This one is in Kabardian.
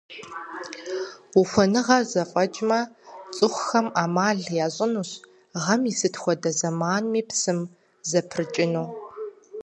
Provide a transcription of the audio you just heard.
Ухуэныгъэр зэфӀэкӀмэ, цӀыхухэм Ӏэмал яӀэнущ гъэм и сыт хуэдэ зэманми псым зэпрыкӀыну.